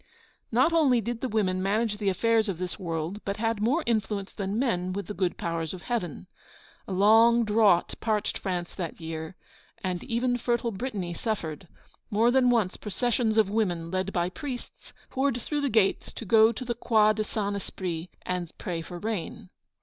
Not only did the women manage the affairs of this world, but had more influence than men with the good powers of heaven. A long drought parched France that year, and even fertile Brittany suffered. More than once processions of women, led by priests, poured through the gates to go to the Croix du Saint Esprit and pray for rain.